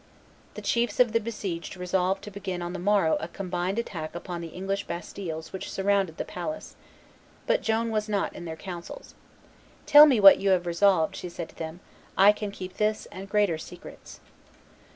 The chiefs of the besieged resolved to begin on the morrow a combined attack upon the English bastilles which surrounded the palace; but Joan was not in their counsels. "Tell me what you have resolved," she said to them; "I can keep this and greater secrets."